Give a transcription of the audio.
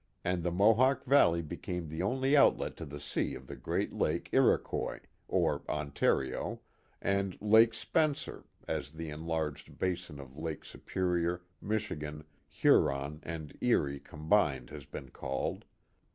and the Mohawk Valley became the only outlet to the sea of the great Lake Iroquois, or Ontario, and I ake Spencer, as the enlarged basin of Lakes Superior, Michigan, Huron, and Eric combined has been called.